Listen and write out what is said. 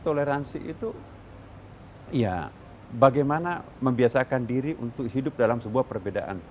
toleransi itu ya bagaimana membiasakan diri untuk hidup dalam sebuah perbedaan